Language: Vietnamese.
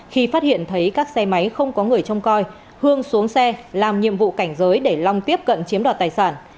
khi phát hiện thấy các xe máy không có người trông coi hương xuống xe làm nhiệm vụ cảnh giới để long tiếp cận chiếm đoạt tài sản